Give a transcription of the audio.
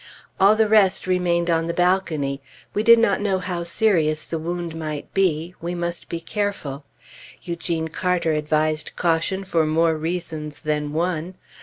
All the rest remained on the balcony. We did not know how serious the wound might be; we must be careful. Eugene Carter advised caution for more reasons than one.